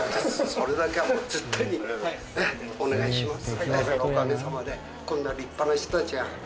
それだけはもう絶対にお願いします